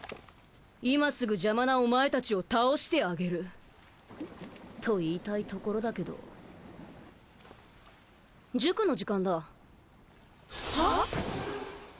今すぐ邪魔なお前たちを倒してあげると言いたいところだけど塾の時間だは？